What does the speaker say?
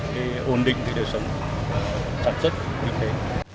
để ổn định thì đều sống tạm chất như thế